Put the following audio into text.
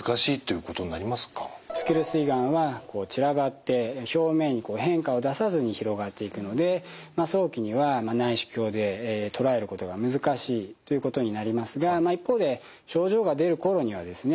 スキルス胃がんは散らばって表面に変化を出さずに広がっていくので早期には内視鏡で捉えることが難しいということになりますが一方で症状が出る頃にはですね